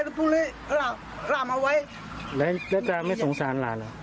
แล้วพูดเลยร่ามเอาไว้แล้วตาไม่สงสารหลานอ่ะ